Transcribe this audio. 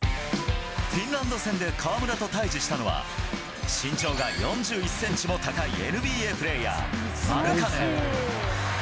フィンランド戦で河村と対じしたのは、身長が４１センチも高いＮＢＡプレーヤー、マルカネン。